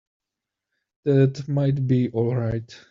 That might be all right.